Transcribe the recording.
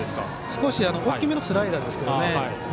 少し大きめのスライダーですね。